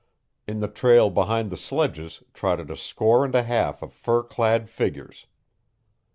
In the trail behind the sledges trotted a score and a half of fur clad figures.